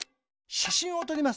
しゃしんをとります。